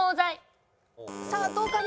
さあどうかな。